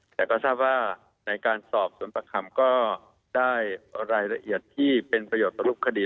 แต่ก็ทราบว่าในการสอบสวนประคำก็ได้รายละเอียดที่เป็นประโยชน์ต่อรูปคดี